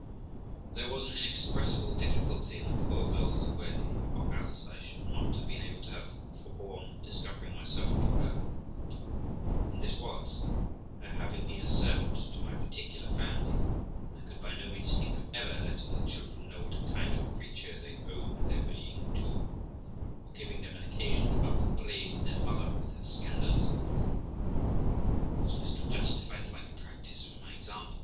There was an inexpressible difficulty in the poor girl's way, or else I should not have been able to have forborne discovering myself to her, and this was, her having been a servant in my particular family; and I could by no means think of ever letting the children know what a kind of creature they owed their being to, or giving them an occasion to upbraid their mother with her scandalous life, much less to justify the like practice from my example.